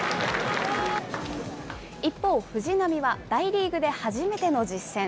一方、藤浪は大リーグで初めての実戦。